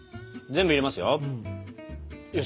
全部入れますよ。